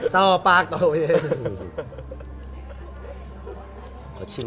ค่อนหน่อยคือผสมพวกกัน